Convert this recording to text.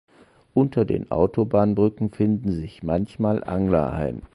Unter den Autobahnbrücken finden sich manchmal Angler ein.